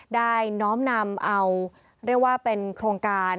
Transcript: น้อมนำเอาเรียกว่าเป็นโครงการ